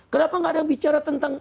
kenapa tidak ada yang berbicara tentang